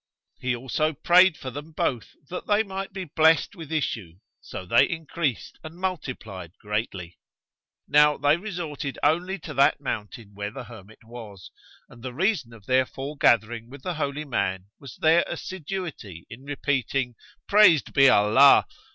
He also prayed for them both that they might be blest with issue so they increased and multiplied greatly. Now they resorted only to that mountain where the hermit was, and the reason of their fore gathering with the holy man was their assiduity in repeating "Praised be Allah!"